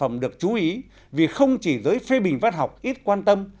mà sản phẩm được chú ý vì không chỉ giới phê bình văn học ít quan tâm